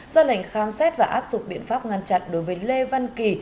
do lệnh khám xét và áp dụng biện pháp ngăn chặn đối với lê văn kỳ